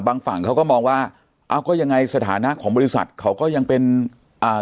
ฝั่งเขาก็มองว่าอ้าวก็ยังไงสถานะของบริษัทเขาก็ยังเป็นอ่า